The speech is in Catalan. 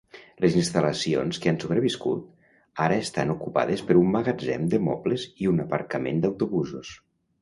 Les instal·lacions que han sobreviscut, ara estan ocupades per un magatzem de mobles i un aparcament d'autobusos.